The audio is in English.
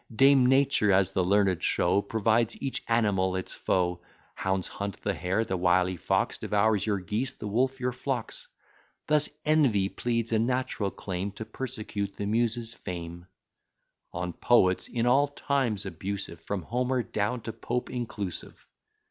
Dame Nature, as the learned show, Provides each animal its foe: Hounds hunt the hare, the wily fox Devours your geese, the wolf your flocks Thus Envy pleads a natural claim To persecute the Muse's fame; On poets in all times abusive, From Homer down to Pope inclusive.